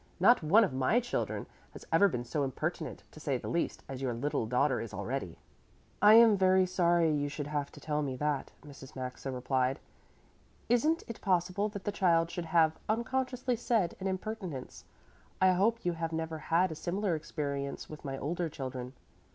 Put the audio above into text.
Not one of my children has ever been so impertinent, to say the least, as your little daughter is already." "I am very sorry you should have to tell me that," Mrs. Maxa replied. "Isn't it possible that the child should have unconsciously said an impertinence? I hope you have never had a similar experience with my older children."